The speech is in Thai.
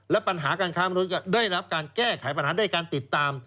และปัญหาการค้ามนุษย์ได้รับการแก้ไขปัญหาด้วยการติดตาม